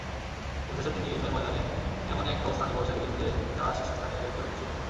অবশেষে তিনি ইলমের ময়দানে এমন এক অবস্থানে পৌঁছে গেলেন যা শীর্ষস্থানীয়দেরকেও বিস্মিত করল।